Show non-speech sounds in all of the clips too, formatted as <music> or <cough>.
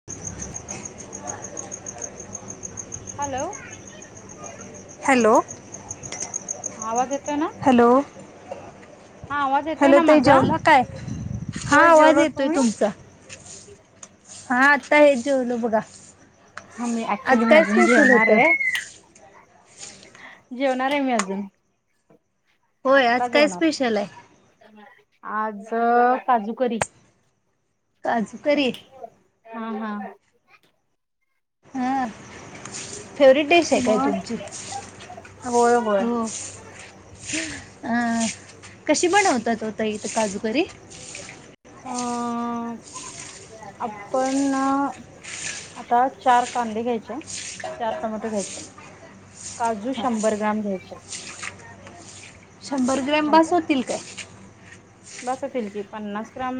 <inaudible> Hello! Hello! आवाज येतोय ना? हॅलो हा आवाज येतोय हॅलो ना ताई माझा जेवला काय, हा होय आवाज जेवलो येतोय तुम्ही तुमचा. हा आता हेच जेवलो बघा. हा मी ऍक्च्युली मी अजून जेवणार आहे. <unintelligible> जेवणार हे मी अजून. आत्ता जेवणार आज काजूकरी. काजूकरी? हा हा! फेवरेट डिश आहे काय मग तुमची? होय होय अं कशी बनवतात ओ ताई त काजूकरी? अ <inaudible> आपण. आता चार कांदे घ्यायचे, आहे चार टमॅटो, घ्यायच. काजू शंभर ग्रॅम घ्यायचे. शंभर ग्रॅम बास होतील काय? बास होतील की, पन्नास ग्राम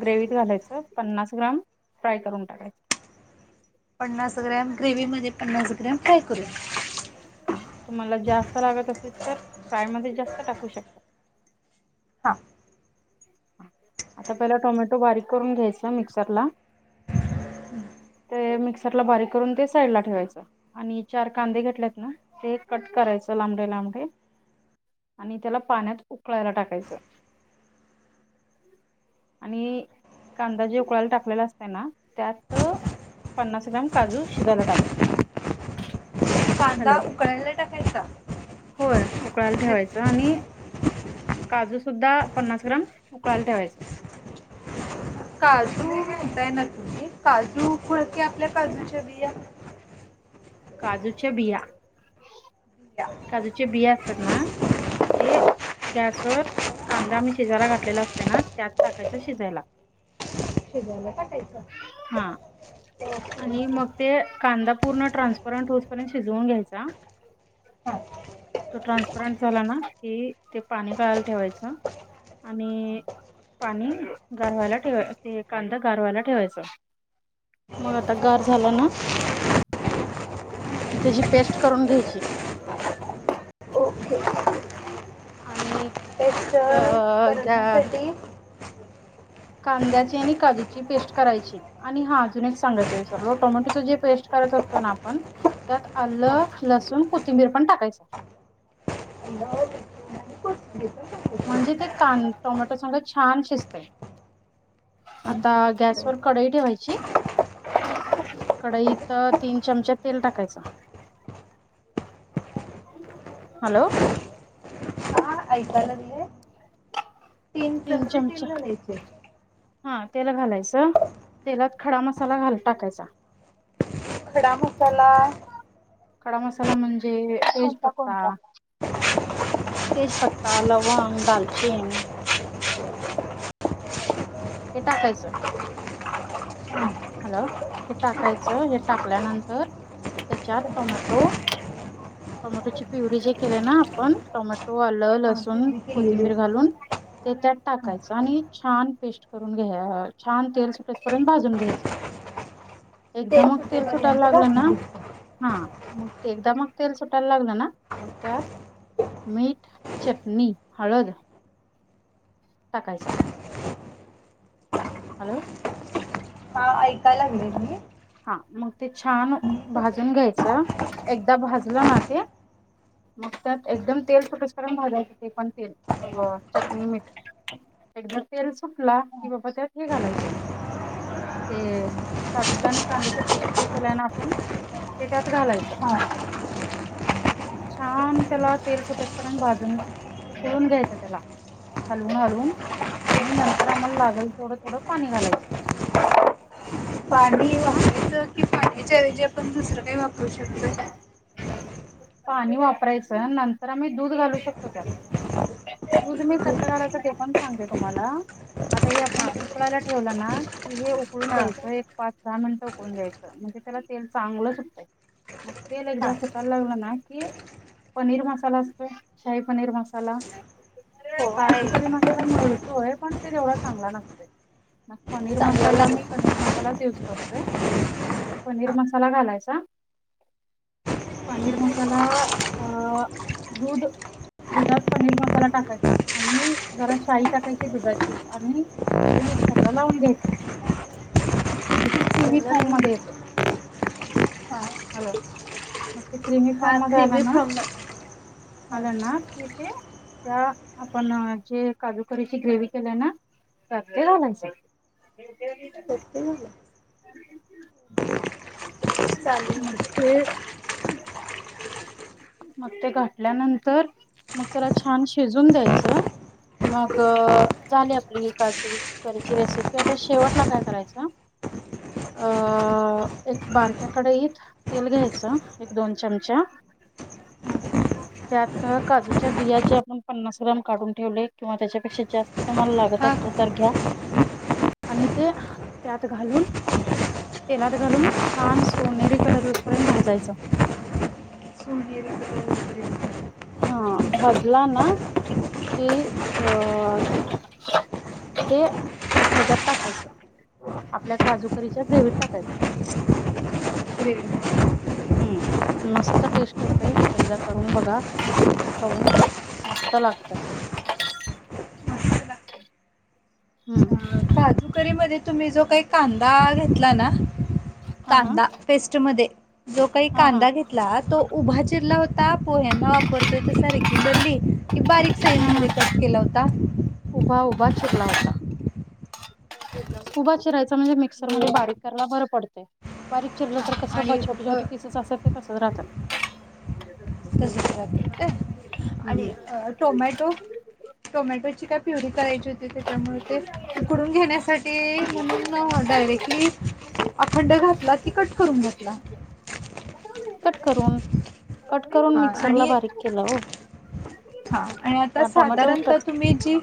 ग्रेव्हीत घालायचं, पन्नास ग्राम, फ्राय करून टाकायचं. पन्नास ग्रॅम ग्रेव्ही मध्ये, पन्नास ग्रॅम फ्राय करूया. हा तुम्हांला जास्त लागत असेल, तर फ्राय मध्ये जास्त टाकू शकता. आता पहिला टोमॅटो बारीक करून घ्यायचा मिक्सरला. ते मिक्सरला बारीक करून, ते साईड ला ठेवायचं. आणि चार कांदे घेतलेत ना ते कट करायचं लांबडे, लांबडे. आणि त्याला पाण्यात उकळायला टाकायचं. आणि कांदा जे उकळायला टाकलेला असतय ना त्यात पन्नास ग्राम काजू शिजायला टाकायचा. कांदा उकळायला टाकायचा. होय उकळायला ठेवायचं आणि. काजूसुद्धा पन्नास ग्राम उकळायला ठेवायच. काजू म्हणताय ना तुम्ही, काजू कुळ की आपल्या काजूच्या बिया. काजूच्या बिया. काजूचे बिया असतात ना ते गॅसवर कांदा मी शिजायला घातलेला असते ना त्यात टाकायच शिजायला. शीजायला टाकायचा. हा! आणि मग ते कांदा पूर्ण ट्रान्सपरंट होसपर्यंत शिजवून घ्यायचा. तो ट्रान्सपरंट झाला ना कि ते पाणी कळाला ठेवायचं आणि. पाणी गारव्हायला ठेवाय ते कांदा गारव्हायला ठेवायचा. मग आता गार झालं ना. कि त्याची पेस्ट करून घ्यायची. आणि अ घ्या. कांद्याची आणि काजूची पेस्ट करायची. आणि हा अजून एक सांगायचं विचार टोमॅटोच जे पेस्ट करत असतो ना आपण त्यात आलं लसूण कोथिंबीर पण टाकायचं. हॅ <unintelligible> म्हणजे ते कान टोमॅटो सगळं छान शिजते. आता गॅसवरर कडाई ठेवायची. कडईत तीन चमचा तेल टाकायचं. <inaudible> हॅलो. ह ऐकायलाग तीन चमचा हा तेल घालायचं तेलात खडा मसाला घाल टाकायचा. खडा मसाला, कडा मसाला म्हणजे एज पत्ता तेजपत्ता, लवंग, दडालचन, कता कायच. हॅलो हे टाकायचं, हे टाकल्यानंतर त्याच्यात टोमॅटो टोमॅटोची प्युरी जे केले ना आपण टोमॅटो आलं लसूण कोथिंबीर घालून ते त्यात टाकायचं आणि छान पेस्ट करून घ्या छान तेल सुटेस करर्ंत भाजून घ घ एकद मग तेल सुटायला लागलं ना. हा मग ते एकदा मग तेल सुटायला लागलं ना मग त्यात मीठ, चटणी, हळद, टाकायचं आहे. हॅलो. ह ऐकायला लागले त मही हा मग ते छान भाजून घ्यायचं एकदा भाजलं ना ते मग त्यात एकदम तेल सुोटेसम घालायचें ते पण तेल चटणी मीठ एकदा तेल सुटला की बाबा त्यात हे घालायचं ते काजूच आणि कांद्याच पेस्ट जे केलाय ना आपण ते त्यात घालायचं. छान त्याला तेल सुटेस करून भाजून उकळून घ्यायचं त्याला हलवून हालवून आणि नंतर आम्हाला लागल थोडं थोडं पाणी घालायचं. पाणी हा वापरायचं कि पाण्याच्या ऐवजी आपण दुसरं काही वापरू शकतो. पाणी वापरायचं. नंतर आम्ही दूध घालू शकतो त्यात. त तुम मी कसं कालायचं ते पण सांगते तुम्हाला आता हे आपण उकळायला ठेवलं ना की हे उकळून द्यायचं एक पाच दहा मिनिटं उकळून द्यायचं, म्हणजे त्याला तेल चांगलं सुटतंय. मग तेले एक दास कल्ळन हाकी पनीर मसाला असतोय शाही पनीर मसाला काजूकरी मसाला मिळतोय पण ते तेवढा चांगला नसते. मग पनीर मसाला मी पनीर मसाला मसालाच यूज करतोय पनीर मसाला घालायचा. पनीर मसाला अ दूध दुधात पनीर मसाला टाकायचा, आणि जरा शाही टाकायची दुधाची आणि ते मिक्सर लावून घ्यायचंय. म्हणजे ती क्रिमी फॉर्म मध्ये येते. हॅलो. ते क्रिमी फॉर्म मध्ये आलं ना आलं ना तिथे त्या आपण जे काजूकरीची ग्रेवी केल्या ना, त्यात ते घालायच. आणि ते उद्या घेईनच. ह <unintelligible> चालेल की ते <unintelligible> मग ते घातल्यानंतर मग त्याला छान शिजून द्यायचं. मग अ झाली आपली ही काजू करीची रेसिपी, आता शेवटला काय करायचं. अ अ. एक बारक्या कडईत तेल घ्यायचं, एक दोन चमचा ह <unintelligible> त्यात अ काजूच्या बिया, जे आपण पन्नास ग्राम काढून ठेवलय किंवा त्याच्यापेक्षा जास्त तर तुम्हाला लागत असल तर घ्या. ह ह <unintelligible> आणि ते. त्यात घालून, तेलात घालून छान सोनेरी कलर येवुसपर्यंत भाजायचं. <unintelligible> सोनेरी कलर येइपर्यंत हा भाजला ना. की अ ते हेज्यात टाकायचं. आपल्या काजूकरीच्या ग्रेवीत टाकायच. ते् <unintelligible> ग्रेवित. हुं मस्त टेस्ट येतय, एकदा करून बघा. खाऊन मस्त लागत. हू हू. काजूकरी मधे तुम्ही जो काही कांदा घेतला ना, हा हा कांदा. पेस्ट मध्ये जो काही हा हा कांदा घेतला, तो उभा चिरला होता. ता पोह्यांना वापरतोय तसा, रेग्युलरली कि बारीक साईज हम्म मध्ये कट केला होता. उभा उभा चीरला होता. उभा चिरायचा म्हणजे मिक्सरमध्ये बारीक करायला बरं पडतय. बारीक चिरलं तर कस मग छोटी छोटी पीसेस असतात ते तसच राहत्यात हू हू ह. काय टोमॅटो? टोमॅटोची काय प्युरी करायची होती. ते त्याच्यामुळे ते उकडून घेण्यासाठी म्हणून अ डायरेक्टली अखंड घातला की, कट करून घातला. कट करून, कट करून मिक्सर ला बारीक केलं ओ. हा आणि आता साधारणता तुम्ही जी.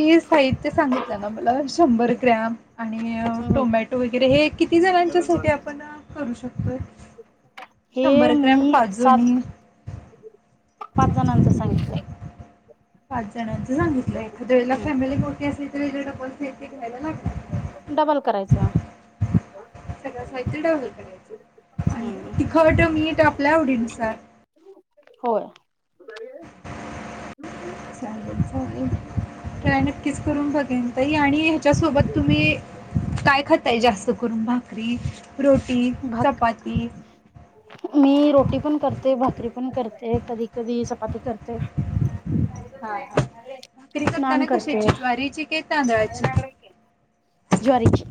ही साहित्य सांगितलं ना, मला शंभर ग्रॅम. आणि हम्म टोमॅटो वगैरे हे, किती जणांच्यासाठी आपण अ? करू शकतोय. हे शंभर ग्रॅम मी काजू सात आणि. पाच जणांच सांगितलंय. पाच जणांचं सांगितलंय. एखाद्यावेळेला हम्म फॅमिली मोठी असली तरी याच्या डबल साहित्य <unintelligible> ते घ्यायला लागत. डबल करायच. सगळ साहित्य डबल करायचं. हुं. हुं. तीखट मीठ आपल्या आवडीनुसार होय. चालेल चालेल. ट्राय नक्कीच करून बघेन ताई आणि ह्याच्यासोबत तुम्ही. काय खाताय जास्त करून भाकरी, रोटी, भाक चपाती. मी रोटी पण करते, भाकरी पण करते. कधी कधी चपाती करते. हा हा भाकरी नान करताना करते कशाचीट्वारीची के तांदळाची. ज्वारीची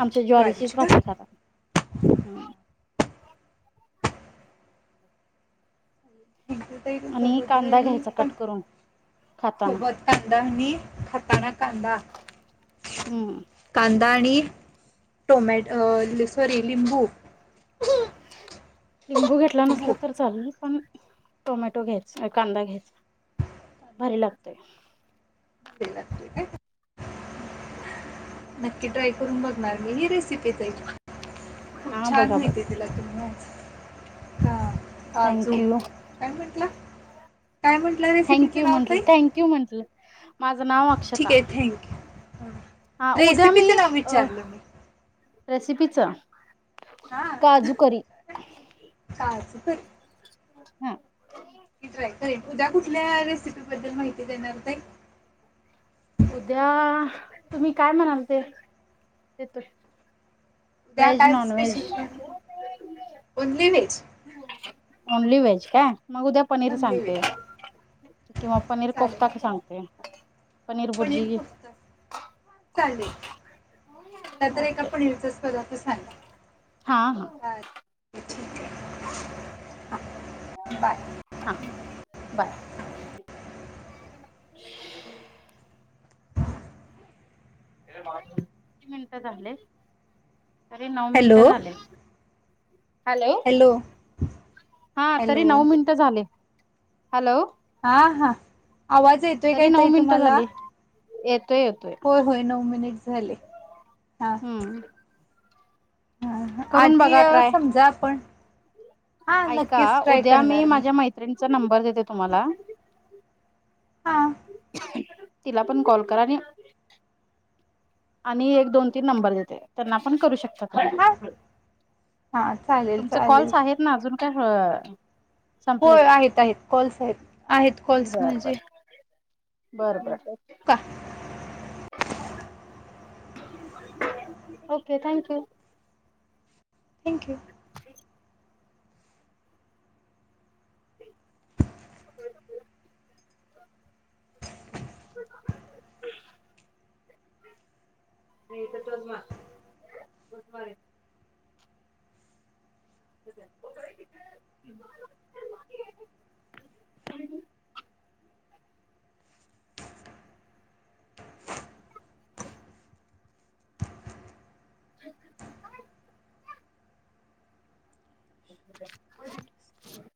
आमच्या ज्वारीचीच भाकरी खातात. आणि कांदा तुमच्याबद्दल घ्यायचा पण. कट करून खाताना सोबत कंदा खतना कंददा. हम्. कांदा आणि टोमॅट लले सरी लिंबू. टिंबू घेतला नसला तर चाल पण. टोमॅटो घ्यायच कांदा घ्यायचा भारी लागतोय. मला नक्की ट्राय करून बघणार मी ही रेसिपीच आहे. खूप हा छान बघा बघा माहिती दिला तुम्ही हा आजू. थँक्यू काय म्हटलं थँक यू म्हंटलं थँक यू म्हंटलं. माझं नाव अक्षता ह उद्या मी अ. रेसिपीचा काजू करी. काजप हा ी ट्राय करेन उद्या कुठल्या रेसिपी बद्दल माहिती देणार का. उद्या तुम्ही काय म्हणाल ते तेत. उद्या कायच स्पेशल पणार ओन्ली वहेज. ओनली व्हेज का मग उद्या पनीर सांगते किंवा पनीर कोफ्ता सांगते. पनीर बुर्जी पणत चालेल. ला तर एका ओके पुढचाच पदार्थ सांगा हा हा ठीक आहे हा बाय हा बाय किती मिनिट झाले अरे नऊ मिनिट हॅलो झाले हॅलो हा त नऊ मिनट. झा हॅलो हा हा आवाज येत. तरी नऊ मिनटं झाले येतोय येतोय. होय होय नऊ मिनिट झाले ह. हम ह आधी बघा अ ट्राय समजा आपण ऐका उद्या मी माझ्या मैत्रिणीचा नंबर देते तुम्हाला हां तिला पण कॉल करा आणि आणि एक दोन तीन नंबर देते त्यांना पण करू शकता तुम्ही हा हा चालेल चालेल नाही आजून काय हो होय आहेत आहेत कॉल्स आहेत आहेत कॉल्स बरं माझे बरं बरं बरं का ओके थँक यू थँक्यू <inaudible> <inaudible> <inaudible> <unintelligible> <unintelligible> हम्म <inaudible> <unintelligible> <inaudible>